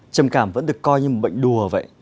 trầm cảm vẫn được coi như một bệnh đùa vậy